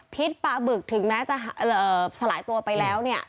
ปลาบึกถึงแม้จะสลายตัวไปแล้วเนี่ย